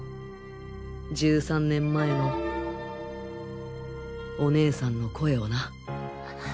１３年前のお姉さんの声をな。